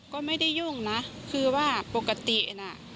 ก็ไม่ได้ยุ่งนะคือว่าปกติน่ะ